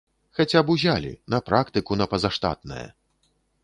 Хаця б узялі, на практыку на пазаштатнае.